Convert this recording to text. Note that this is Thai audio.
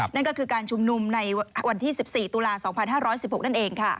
นั่นก็คือการชุมนุมในวันที่๑๔ตุลา๒๕๑๖นั่นเองค่ะ